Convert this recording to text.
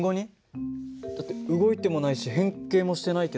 だって動いてもないし変形もしてないけど。